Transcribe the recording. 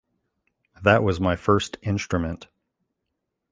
That was my first instrument.